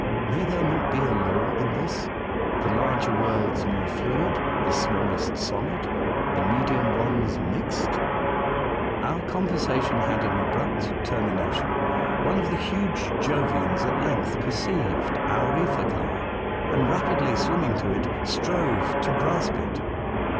May there not be a law in this ? The larger worlds more fluid, the smallest solid, the medium ones mixed ?" Our conversation had an abrupt termination. One of the huge Jovian s at length perceived our ether car, and, rapidly swimming to it. The Ocean World. ]73 strove to grasp it.